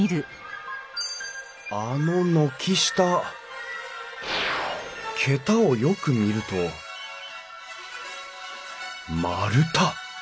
あの軒下桁をよく見ると丸太。